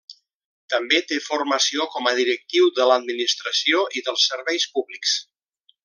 També té formació com a directiu de l'Administració i dels serveis públics.